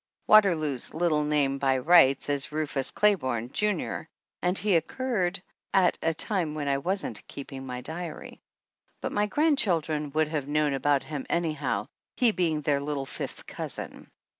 Waterloo's little name by rights is Rufus Clayborne, Junior, and he occurred at a time when I wasn't keeping my diary ; but my grandchildren would have known about him any how, he being their little fifth cousin.